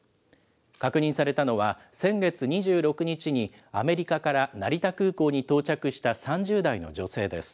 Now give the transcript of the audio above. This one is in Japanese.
確認されたのは、先月２６日にアメリカから成田空港に到着した３０代の女性です。